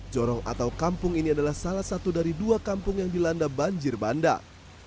jorong atau kampung ini adalah salah satu dari dua kampung yang dilanda banjir bandang